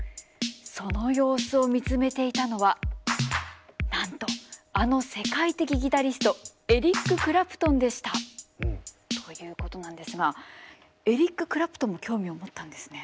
その様子を見つめていたのはなんとあの世界的ギタリストエリック・クラプトンでした。ということなんですがエリック・クラプトンも興味を持ったんですね。